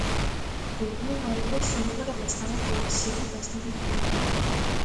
Колкумина од вас сонувале да станат режисери и да снимат свој филм?